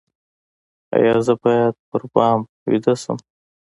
ایا زه باید په بام ویده شم؟